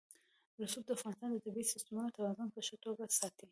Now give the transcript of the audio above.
رسوب د افغانستان د طبعي سیسټم توازن په ښه توګه ساتي.